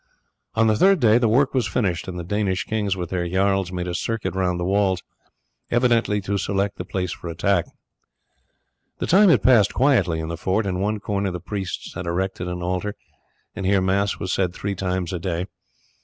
On the third day the work was finished, and the Danish kings with their jarls made a circuit round the walls, evidently to select the place for attack. The time had passed quietly in the fort. In one corner the priests had erected an altar, and here mass was said three times a day.